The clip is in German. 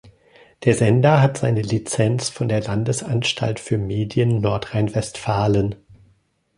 Der Sender hat seine Lizenz von der Landesanstalt für Medien Nordrhein-Westfalen.